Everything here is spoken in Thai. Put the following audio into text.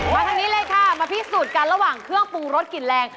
ทางนี้เลยค่ะมาพิสูจน์กันระหว่างเครื่องปรุงรสกลิ่นแรง